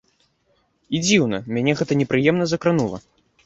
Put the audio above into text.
І дзіўна, мяне гэта непрыемна закранула.